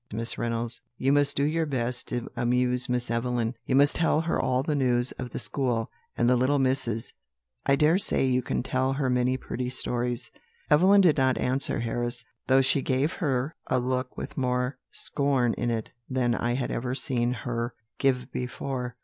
Miss Reynolds, you must do your best to amuse Miss Evelyn; you must tell her all the news of the school, and the little misses; I dare say you can tell her many pretty stories.' "Evelyn did not answer Harris, though she gave her a look with more scorn in it than I had ever seen her give before.